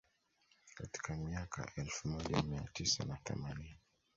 Katika miaka ya elfu moja mia tisa na themanini